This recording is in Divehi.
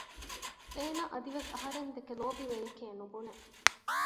އޭނަ އަދިވެސް އަހަރެން ދެކެ ލޯބިވެޔެކޭ ނުބުނެ